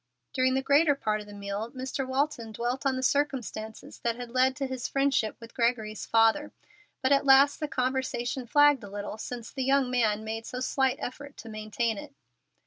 During the greater part of the meal, Mr. Walton dwelt on the circumstances that had led to his friendship with Gregory's father, but at last the conversation flagged a little, since the young man made so slight effort to maintain it.